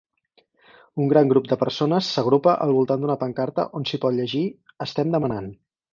Un gran grup de persones s'agrupa al voltant d'una pancarta on s'hi pot llegir: "Estem demanant".